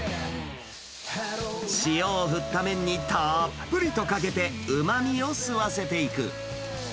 塩を振った麺にたっぷりとかけて、うまみを吸わせていく。